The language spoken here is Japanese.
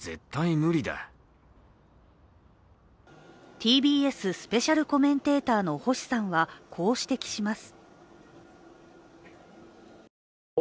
ＴＢＳスペシャルコメンテーターの星さんは、こう指摘します。